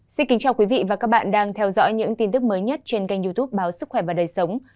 xin kính chào quý vị và các bạn đang theo dõi những tin tức mới nhất trên kênh youtube báo sức khỏe và đời sống